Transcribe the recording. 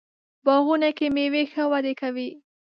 باغونو کې میوې ښه وده کوي.